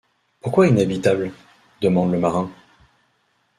Pourquoi inhabitable? demanda le marin